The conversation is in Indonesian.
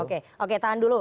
oke oke tahan dulu